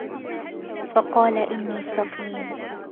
فَقالَ إِنّي سَقيمٌ